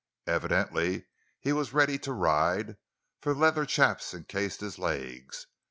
Evidently he was ready to ride, for leather chaps incased his legs.